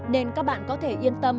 nên các bạn có thể yên tâm